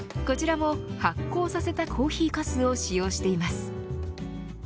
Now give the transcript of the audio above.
こちらも発酵させたコーヒーかすを使用しています。